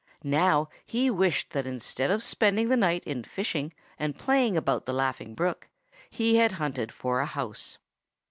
Now he wished that instead of spending the night in fishing and playing about the Laughing Brook, he had hunted for a house.